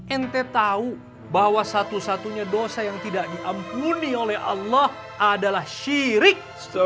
ente tahu bahwa satu satunya dosa yang tidak diampuni oleh allah adalah syirik